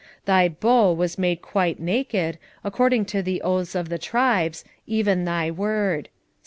3:9 Thy bow was made quite naked, according to the oaths of the tribes, even thy word.